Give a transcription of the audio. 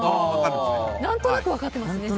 何となく分かっていますね。